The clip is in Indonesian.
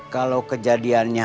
kalau kejadiannya tidak berjalan lalu